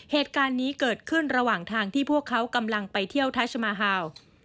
เหตุการณ์นี้เกิดขึ้นระหว่างทางที่พวกเขากำลังไปเที่ยวทัชมาฮาว